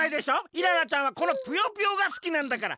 イララちゃんはこのぷよぷよがすきなんだから。